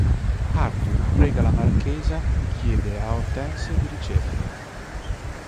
Arthur prega la marchesa di chiedere a Hortense di riceverlo.